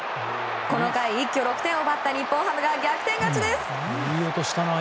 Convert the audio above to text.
この回一挙６点を奪った日本ハムが逆転勝ちです。